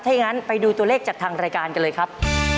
ถ้าอย่างนั้นไปดูตัวเลขจากทางรายการกันเลยครับ